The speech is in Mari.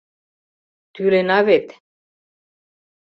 Тӱлена вет.